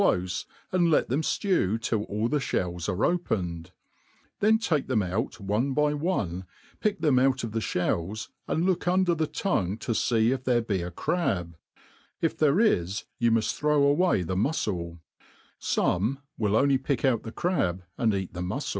lofe, and let them flew tin ail the (hells are q>cned ; then take them out one by one, pick them out of the (hells, and look under the tongue to fee if there be a crab ; if there is, you muft throw away the mufcle ; fome will only pick out the crab, and eat the mufde.